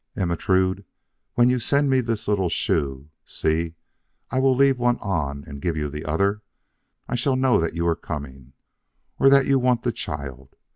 "Ermentrude, when you send me this little shoe See, I will leave one on and give you the other, I shall know that you are coming, or that you want the child.